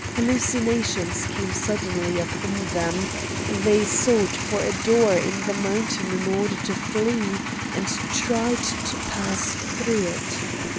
Hallucinations came suddenly upon them; they sought for a door in the mountain in order to flee, and tried to pass through it.